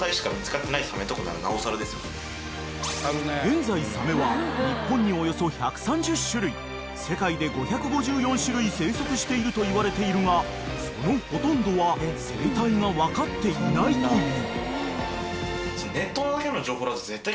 ［現在サメは日本におよそ１３０種類世界で５５４種類生息しているといわれているがそのほとんどは生態が分かっていないという］